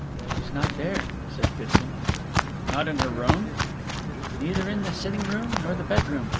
"She's not there," said Kitson. "Not in her room?" "Neither in the sitting room nor the bedroom.